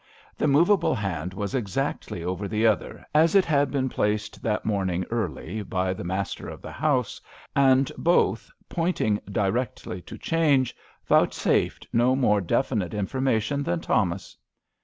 The movable hand was exactly over the other, as it had been placed that morning early by the master of the house, and both pointing directly to " Change *' vouchsafed no more definite in formation than Thomas.